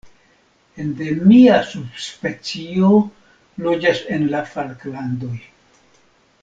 Endemia subspecio loĝas en la Falklandoj.